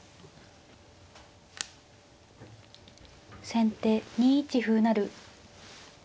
先手２一歩成。